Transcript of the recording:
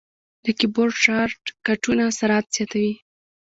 د کیبورډ شارټ کټونه سرعت زیاتوي.